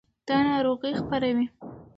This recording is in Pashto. دا ناروغۍ خپروي.